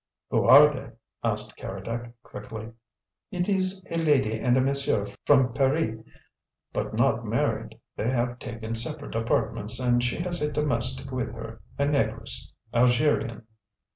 "Who are they?" asked Keredec quickly. "It is a lady and a monsieur from Paris. But not married: they have taken separate apartments and she has a domestic with her, a negress, Algerian."